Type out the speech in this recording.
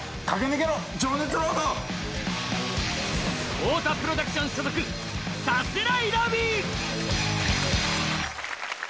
太田プロダクション所属さすらいラビー。